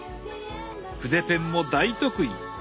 筆ペンも大得意！